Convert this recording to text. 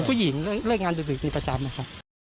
ผู้หญิงเลิกงานดึกเป็นประจำนะครับ